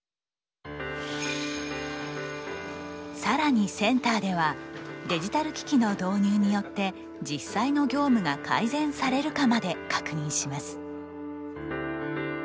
更にセンターではデジタル機器の導入によって実際の業務が改善されるかまで確認します。